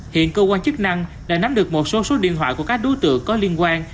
hiện cơ quan chức năng đã nắm được một số số điện thoại của các đối tượng có liên quan